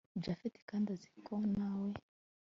japhet kandi azi ko nawe